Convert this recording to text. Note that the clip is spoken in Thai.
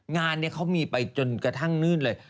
งานนี้เขามีไปจนกระทั่งนู่นเลย